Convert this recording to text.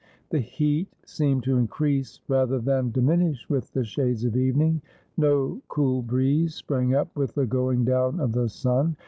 The heat seemed to increase rather than diminish with the shades of evening. No cool breeze sprang up with the going down of the sun.